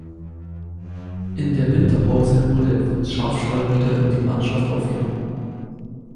In der Winterpause wurde er von Schafstall wieder in die Mannschaft aufgenommen.